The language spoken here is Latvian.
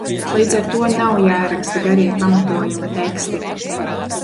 Līdz ar to nav jāraksta garie pamatojuma teksti.